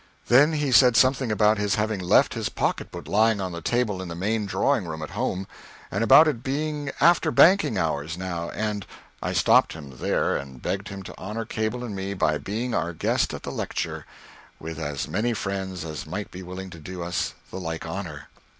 Then he said something about his having left his pocketbook lying on the table in the main drawing room at home, and about its being after banking hours, now, and I stopped him, there, and begged him to honor Cable and me by being our guest at the lecture with as many friends as might be willing to do us the like honor.